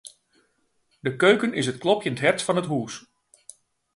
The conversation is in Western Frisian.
De keuken is it klopjend hert fan it hús.